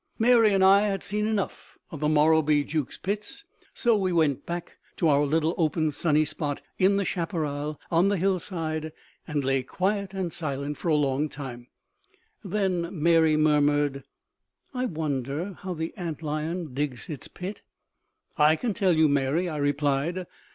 Mary and I had seen enough of the Morrowbie Jukes pits. So we went back to our little open sunny spot in the chaparral on the hillside and lay quiet and silent for a long time. Then Mary murmured, "I wonder how the ant lion digs its pit." "I can tell you, Mary," I replied.